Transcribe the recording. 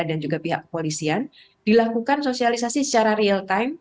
dan juga pihak polisian dilakukan sosialisasi secara real time